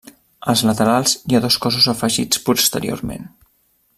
Als laterals hi ha dos cossos afegits posteriorment.